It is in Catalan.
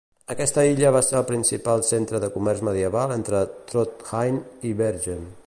Aquesta illa va ser el principal centre de comerç medieval entre Trondheim i Bergen.